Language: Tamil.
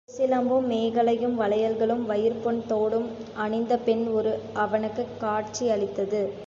பொற் சிலம்பும், மேகலையும், வளையல்களும், வயிரப் பொன் தோடும் அணிந்த பெண் உரு அவனுக்குக் காட்சி அளித்தது.